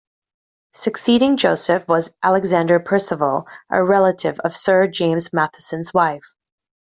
Succeeding Joseph was Alexander Percival, a relative of Sir James Matheson's wife.